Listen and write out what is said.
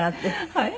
はい。